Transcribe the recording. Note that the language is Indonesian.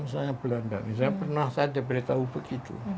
saya belanda misalnya pernah saya diberitahu begitu